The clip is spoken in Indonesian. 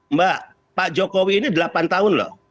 mbak pak jokowi ini delapan tahun loh